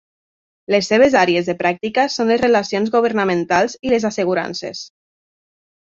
Les seves àrees de pràctica són les relacions governamentals i les assegurances.